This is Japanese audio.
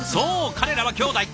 彼らは兄弟。